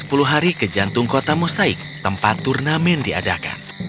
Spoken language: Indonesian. setelah sepuluh hari ke jantung kota mosaik tempat turnamen diadakan